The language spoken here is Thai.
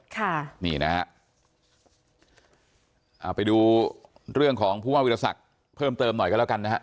ค่ะนี่นะฮะเอาไปดูเรื่องของผู้ว่าวิทยาศักดิ์เพิ่มเติมหน่อยกันแล้วกันนะฮะ